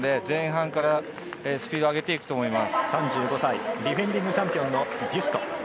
前半からスピードを上げていくと３５歳、ディフェンディングチャンピオンのビュスト。